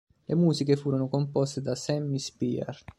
Le musiche furono composte da Sammy Spear.